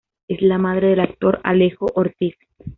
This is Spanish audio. Es la madre del actor Alejo Ortiz.